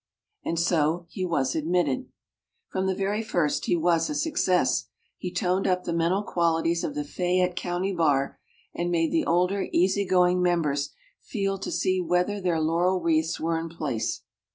And so he was admitted. From the very first he was a success; he toned up the mental qualities of the Fayette County Bar, and made the older, easy going members feel to see whether their laurel wreaths were in place.